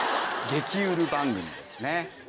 激ゆる番組ですね。